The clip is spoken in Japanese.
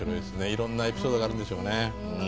いろんなエピソードがあるんでしょうね。